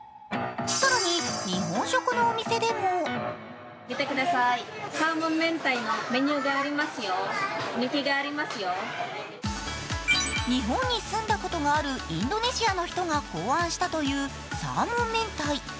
更に日本食のお店でも日本に住んだことがあるインドネシアの人が考案したというサーモンメンタイ。